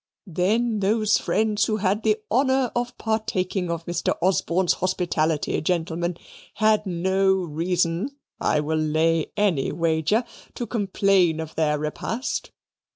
"Then those friends who had the honour of partaking of Mr. Osborne's hospitality, gentlemen, had no reason, I will lay any wager, to complain of their repast.